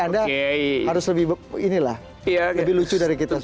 anda harus lebih lucu dari kita semua